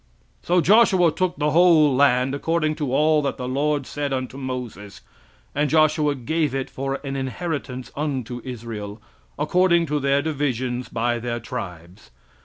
"So Joshua took the whole land, according to all that the Lord said unto Moses; and Joshua gave it for an inheritance unto Israel, according to their divisions by their tribes.